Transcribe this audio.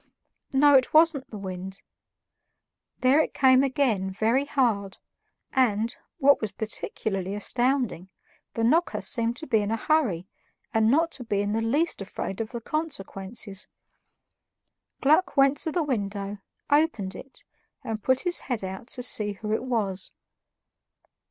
No, it wasn't the wind; there it came again very hard, and, what was particularly astounding, the knocker seemed to be in a hurry and not to be in the least afraid of the consequences. Gluck went to the window, opened it, and put his head out to see who it was.